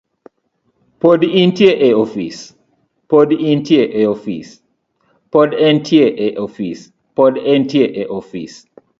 Pod entie e ofis?